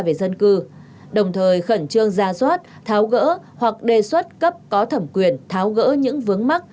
về dân cư đồng thời khẩn trương ra soát tháo gỡ hoặc đề xuất cấp có thẩm quyền tháo gỡ những vướng mắt